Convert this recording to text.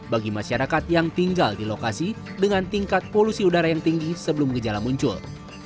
bagi masyarakat yang tinggal di lokasi dengan tingkat polusi udara yang tinggi sebelum gejala muncul